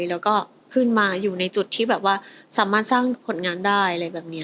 แล้วก็ขึ้นมาอยู่ในจุดที่แบบว่าสามารถสร้างผลงานได้อะไรแบบนี้